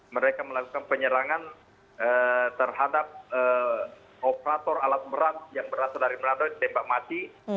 mereka melakukan penyerangan terhadap operator alat berat yang berasal dari meladon ditembak mati